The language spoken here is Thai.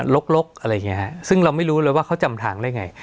ลกอะไรอย่างนี้ฮะซึ่งเราไม่รู้เลยว่าเขาจำทางได้ไง